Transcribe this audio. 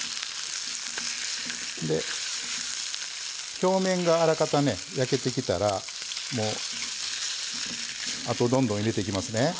表面が、あらかた焼けてきたらあと、どんどん入れていきます。